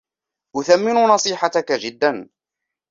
أثمّن نصيحتَكَ جداً.